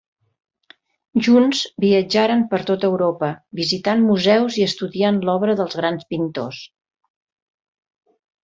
Junts viatjaren per tot Europa, visitant museus i estudiant l'obra dels grans pintors.